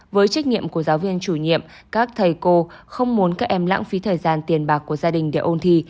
với trách nhiệm của giáo viên chủ nhiệm các thầy cô không muốn các em lãng phí thời gian tiền bạc của gia đình để ôn thi